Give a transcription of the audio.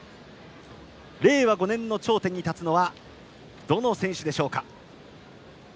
令和５年の頂点に立つのはどの選手でしょうか。